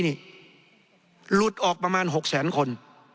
นี่หลุดออกประมาณ๖แสนคน